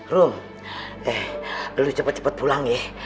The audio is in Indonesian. rum eh lu cepet cepet pulang ya